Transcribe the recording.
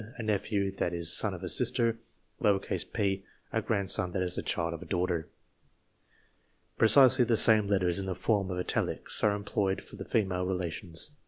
a nephew that is son of a sister; p. a grandson that is the child of a daughter. Precisely the same letters, in the form of Italics, are employed for the female relations.